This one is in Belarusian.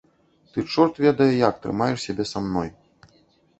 Ты чорт ведае як трымаеш сябе са мной.